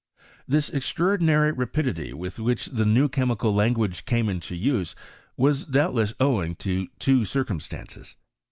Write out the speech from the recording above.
This extraordinary rapidity with which the new chemical language came into use, was doubt less owing to two circumstances.